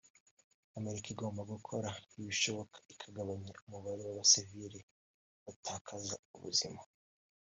Amerika igomba gukora ibishoboka ikagabanya umubare w’abasivile batakaza ubuzima